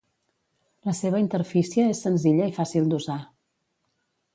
La seva interfície és senzilla i fàcil d'usar.